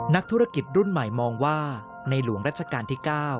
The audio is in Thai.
นักธุรกิจรุ่นใหม่มองว่าในหลวงรัชกาลที่๙